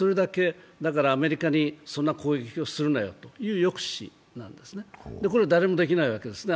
だからアメリカにそんな攻撃をするなよという抑止ですからこれは誰もできないわけですね。